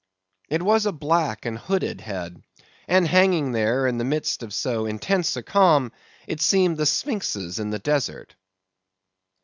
It was a black and hooded head; and hanging there in the midst of so intense a calm, it seemed the Sphynx's in the desert.